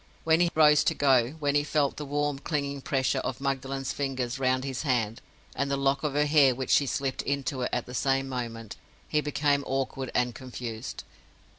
When he rose to go; when he felt the warm, clinging pressure of Magdalen's fingers round his hand, and the lock of her hair which she slipped into it at the same moment, he became awkward and confused.